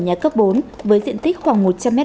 nhà cấp bốn với diện tích khoảng một trăm linh m hai